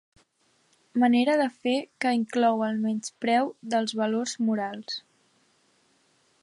Manera de fer que inclou el menyspreu dels valors morals.